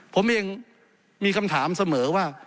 ผมเองมีคำถามเสมอว่า